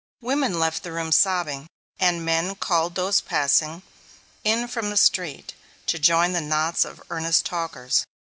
Women left the room sobbing, and men called those passing, in from the street, to join the knots of earnest talkers.